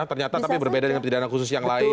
ternyata tapi berbeda dengan pidana khusus yang lain